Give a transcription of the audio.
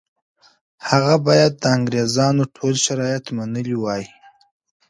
هغه باید د انګریزانو ټول شرایط منلي وای.